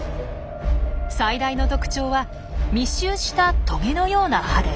最大の特徴は密集したトゲのような歯です。